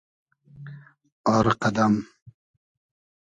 آر قئدئم